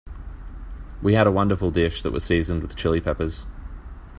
We had a wonderful dish that was seasoned with Chili Peppers.